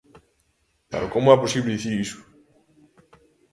Pero ¿como é posible dicir iso?